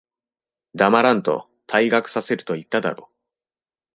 黙らんと、退学させると言っただろ。